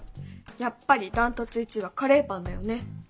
やっぱり断トツ１位はカレーパンだよね。